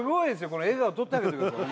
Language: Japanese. この笑顔撮ってあげてください